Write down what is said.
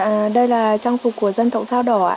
dạ đây là trang phục của dân tộc dao đỏ ạ